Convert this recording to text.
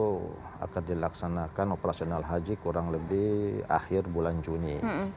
itu akan dilaksanakan operasional haji kurang lebih akhir bulan juni